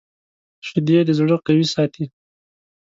شیدې د زړه قوي ساتي